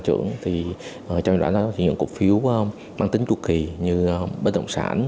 trong giai đoạn đó có những cục phiếu mang tính chua kỳ như bếp đồng sản